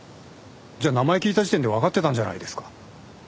じゃあ名前聞いた時点でわかってたんじゃないですか。